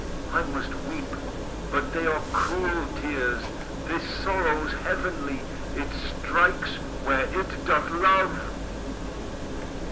I must weep, But they are cruel tears: This sorrow's heavenly; It strikes where it doth love!"